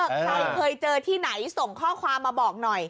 ใครเคยเจอที่ไหนส่งข้อความมาบอกหน่อย